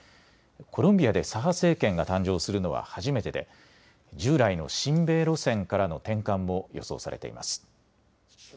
コロンビアで左派政権が誕生するのは初めてで従来の親米路線からの転換も予想されています。